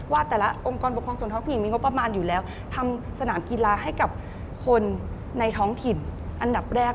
แต่ละองค์กรปกครองส่วนท้องผู้หญิงมีงบประมาณอยู่แล้วทำสนามกีฬาให้กับคนในท้องถิ่นอันดับแรก